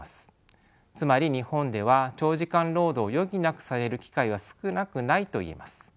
つまり日本では長時間労働を余儀なくされる機会は少なくないと言えます。